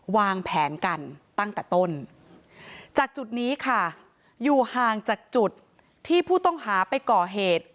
วางแผนกันตั้งแต่ต้นจากจุดนี้ค่ะอยู่ห่างจากจุดที่ผู้ต้องหาไปก่อเหตุ